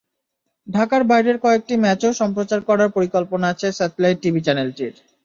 ঢাকার বাইরের কয়েকটি ম্যাচও সম্প্রচার করার পরিকল্পনা আছে স্যাটেলাইট টিভি চ্যানেলটির।